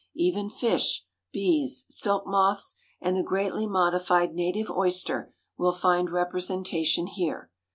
Even fish, bees, silk moths, and the greatly modified native oyster will find representation here.